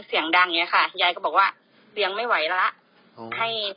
เสียงดังอย่างนี้ค่ะยายก็บอกว่าเลี้ยงไม่ไหวแล้วให้